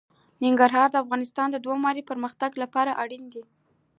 ننګرهار د افغانستان د دوامداره پرمختګ لپاره اړین دي.